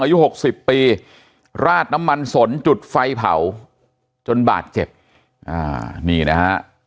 หกสิบปีราดน้ำมันสนจุดไฟเผาจนบาดเจ็บอ่านี่นะฮะ